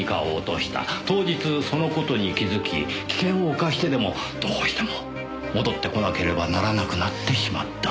当日その事に気づき危険を冒してでもどうしても戻ってこなければならなくなってしまった。